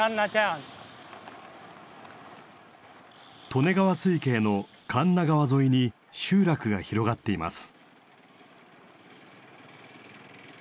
利根川水系の神流川沿いに集落が広がっています。